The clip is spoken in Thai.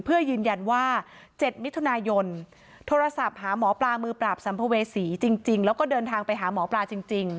เพื่อยืนยันว่า๗มิถุนายนโทรศัพท์หาหมอปลามือปราบสัมภเวษีจริงแล้วก็เดินทางไปหาหมอปลาจริง